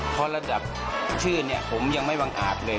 เพราะระดับชื่อเนี่ยผมยังไม่วางอาจเลย